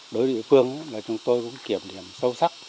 đối với địa phương là chúng tôi cũng kiểm điểm sâu sắc